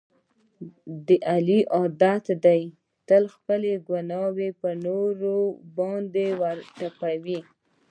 د علي عادت دی تل خپله ګناه په نورو باندې ور تپي.